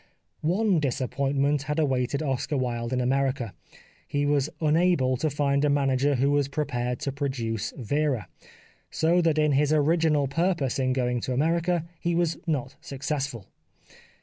One disappointment had awaited Oscar Wilde in America ; he was unable to find a manager who was prepared to produce '' Vera," so that in his original purpose in going to America he was not successful.